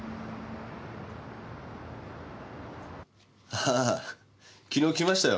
ああ昨日来ましたよ。